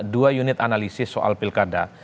dua unit analisis soal pilkada